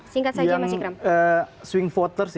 singkat saja mas ikram swing voters